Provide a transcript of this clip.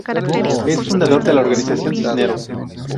Es fundador de la Organización Cisneros.